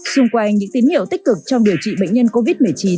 xung quanh những tín hiệu tích cực trong điều trị bệnh nhân covid một mươi chín